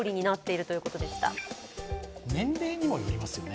年齢にもよりますよね。